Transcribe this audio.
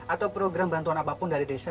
atau program bantuan apapun dari desa